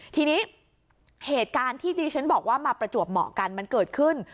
ทีนี้เหตุการณ์ที่ดิฉันบอกว่ามาประจวบเหมาะกันมันเกิดขึ้น